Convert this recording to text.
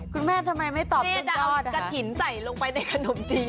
คุณแม่ทำไมไม่ตอบแม่จะเอากระถิ่นใส่ลงไปในขนมจีน